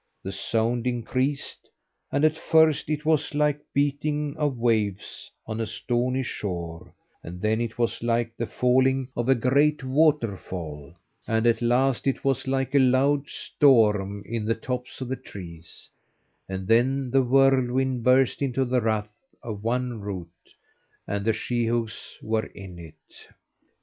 The sound increased, and at first it was like the beating of waves on a stony shore, and then it was like the falling of a great waterfall, and at last it was like a loud storm in the tops of the trees, and then the whirlwind burst into the rath of one rout, and the sheehogues were in it.